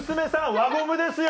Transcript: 輪ゴムですよ！